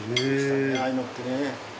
ああいうのってね。